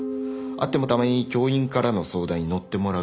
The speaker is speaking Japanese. あってもたまに教員からの相談にのってもらうぐらいで。